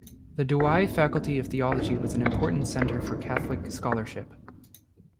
The Douai Faculty of Theology was an important centre for Catholic scholarship.